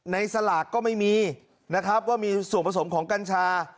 สลากก็ไม่มีนะครับว่ามีส่วนผสมของกัญชา